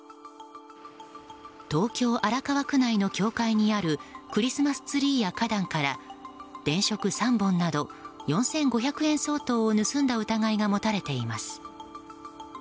東京・荒川区内の教会にあるクリスマスツリーや花壇から電飾３本など、４５００円相当を盗んだ疑いが持たれています。